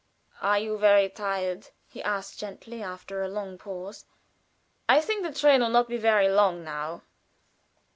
"Are you very tired?" he asked, gently, after a long pause. "I think the train will not be very long now."